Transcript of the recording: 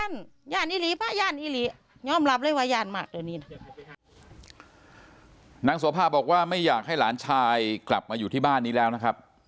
นางโสภาบอกว่าไม่อยากให้หลานชายกลับมาอยู่ที่บ้านนี้แล้วนะครับ